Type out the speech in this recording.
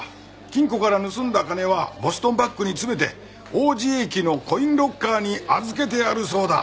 金庫から盗んだ金はボストンバッグに詰めて王子駅のコインロッカーに預けてあるそうだ。